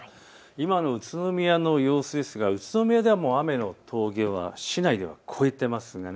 今の宇都宮の様子ですが宇都宮ではもう雨の峠は市内では越えています。